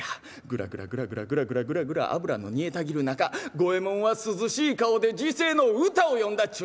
グラグラグラグラグラグラグラグラ油の煮えたぎる中五右衛門は涼しい顔で辞世の歌を詠んだっちゅうなあ！